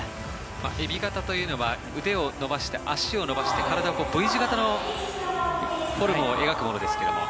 エビ型というのは腕と足を伸ばして体をＶ字形のフォルムを描くものですけども。